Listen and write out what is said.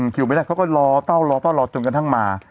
คิวไม่ได้เขาก็รอเต้าจนกันทั้งมา